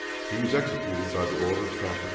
He was executed by order of Catherine II.